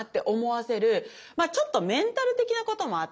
まあちょっとメンタル的なこともあっ